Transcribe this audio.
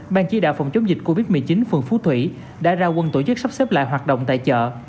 ban chỉ đạo phòng chống dịch covid một mươi chín phường phú thủy đã ra quân tổ chức sắp xếp lại hoạt động tại chợ